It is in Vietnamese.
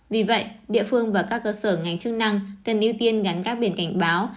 vì vậy địa phương và các cơ sở ngành chức năng cần ưu tiên gắn các biển cảnh báo